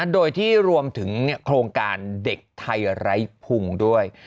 โดยที่รวมถึงโครงการเด็กไทยไร้พุงด้วย